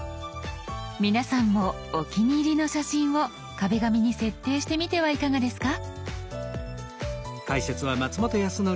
皆さんもお気に入りの写真を「壁紙」に設定してみてはいかがですか？